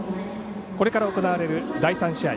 これから行われる第３試合